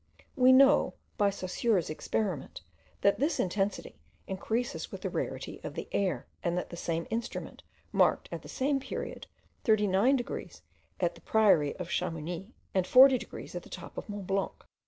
We know, by Saussure's experiment, that this intensity increases with the rarity of the air, and that the same instrument marked at the same period 39 degrees at the priory of Chamouni, and 40 degrees at the top of Mont Blanc.